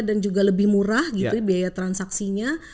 dan juga lebih murah gitu biaya transaksinya